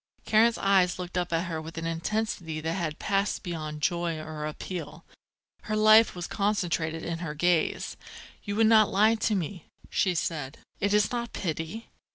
Karen's eyes looked up at her with an intensity that had passed beyond joy or appeal. Her life was concentrated in her gaze. "You would not lie to me?" she said. "It is not pity?